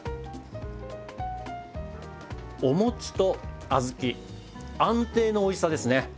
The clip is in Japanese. お餅と小豆安定のおいしさですね。